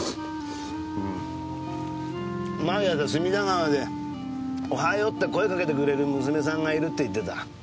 毎朝隅田川でおはようって声掛けてくれる娘さんがいるって言ってた。